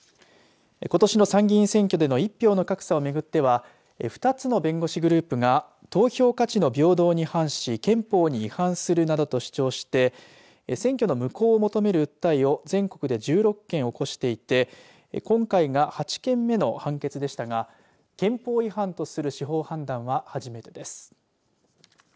ことしの参議院選挙での１票の格差を巡っては２つの弁護士グループが投票価値の平等に反し憲法に違反するなどと主張して選挙の無効を求める訴えを全国で１６件起こしていて今回が８件目の判決でしたが憲法違反とする司法判断は初めてです。